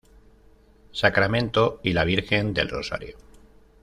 Sacramento y la Virgen del Rosario.